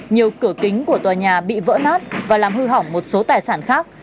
nhiều cửa kính của tòa nhà bị vỡ nát và làm hư hỏng một số tài sản khác